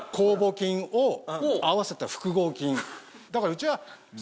あれ⁉だからうちは。